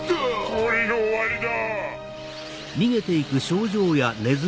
森の終わりだ！